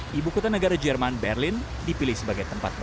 di buku tenegara jerman berlin dipilih sebagai tempat terbaik